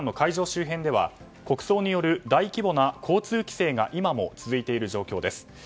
周辺では国葬による大規模な交通規制が今も続いている状況です。